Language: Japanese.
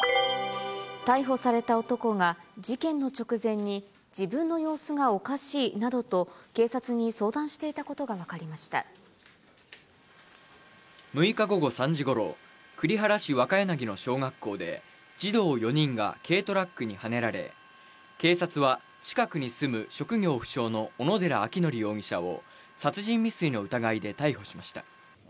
逮捕された男が事件の直前に自分の様子がおかしいなどと、警察に相談していたことが分かり６日午後３時ごろ、栗原市若柳の小学校で、児童４人が軽トラックにはねられ、警察は近くに住む職業不詳の小野寺章仁容疑者を殺人未遂の疑いで逮捕しました。